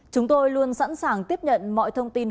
chúng tôi luôn sẵn sàng tiếp nhận mọi thông tin